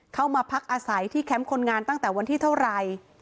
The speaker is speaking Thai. พักอาศัยที่แคมป์คนงานตั้งแต่วันที่เท่าไหร่